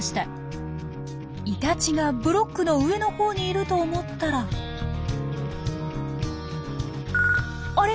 イタチがブロックの上のほうにいると思ったらあれ？